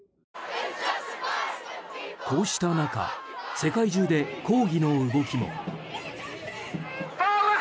こうした中、世界中で抗議の動きも。